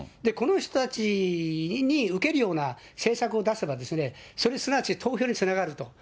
この人たちに受けるような政策を出せば、それ、すなわち投票につながると。